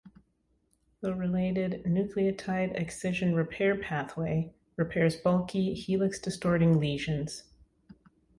The related nucleotide excision repair pathway repairs bulky helix-distorting lesions.